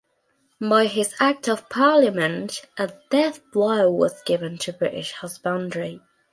By his act of Parliament, a deathblow was given to British husbandry.